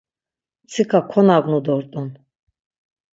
Mtsika konagnu dort̆un.